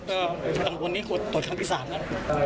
เชื้อครับดูดีนะครับสวัสดีครับ